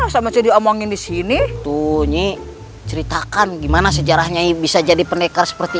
sama saya diomongin di sini tuh nyi ceritakan gimana sejarahnya bisa jadi pendekar seperti